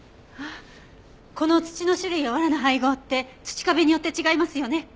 この土の種類や藁の配合って土壁によって違いますよね？